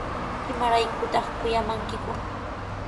¿Imaraykutaq kuyamankiku?